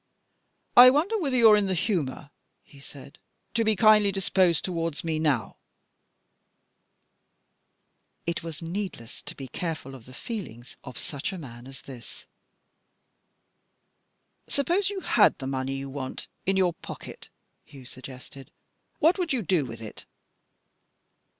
"I wonder whether you're in the humour," he said, "to be kindly disposed towards me now?" It was needless to be careful of the feelings of such man as this. "Suppose you had the money you want in your pocket," Hugh suggested, "what would you do with it?"